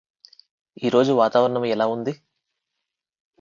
ఈ రోజు వాతావరణం ఎలా ఉంది?